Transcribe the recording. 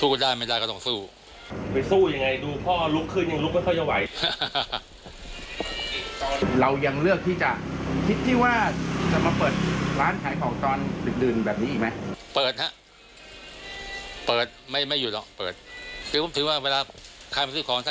เรายังเลือกที่จะ